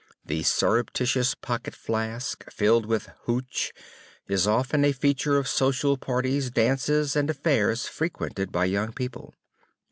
The surreptitious pocket flask, filled with "hooch," is often a feature of social parties, dances and affairs frequented by young people.